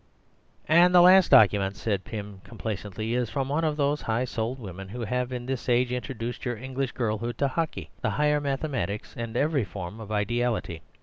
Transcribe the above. "And the last document," said Dr. Pym complacently, "is from one of those high souled women who have in this age introduced your English girlhood to hockey, the higher mathematics, and every form of ideality.